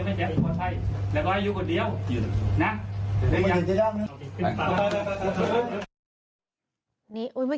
พี่หุยรู้มั้ยเขาทำอะไรอยู่ในห้องนอนในมือถื